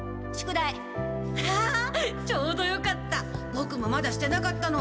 ボクもまだしてなかったの。